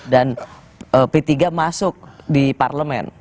dan p tiga masuk di parlemen